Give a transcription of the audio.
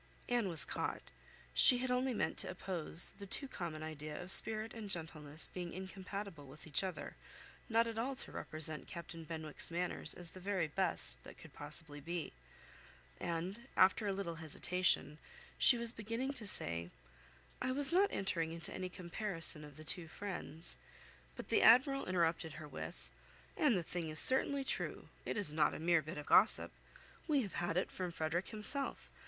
Anne was caught. She had only meant to oppose the too common idea of spirit and gentleness being incompatible with each other, not at all to represent Captain Benwick's manners as the very best that could possibly be; and, after a little hesitation, she was beginning to say, "I was not entering into any comparison of the two friends," but the Admiral interrupted her with— "And the thing is certainly true. It is not a mere bit of gossip. We have it from Frederick himself.